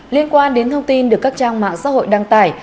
liên quan đến thông tin được các trang mạng xã hội đăng tải